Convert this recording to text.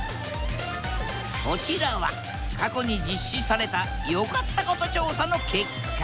こちらは過去に実施された良かったこと調査の結果。